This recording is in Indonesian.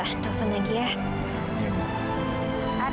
ada dokter yang menghubungi ambil